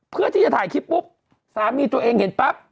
เพื่อที่จะถ่ายคลิปปุ๊บสามีตัวเองเห็นปั๊บ